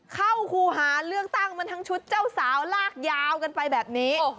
คู่หาเลือกตั้งมันทั้งชุดเจ้าสาวลากยาวกันไปแบบนี้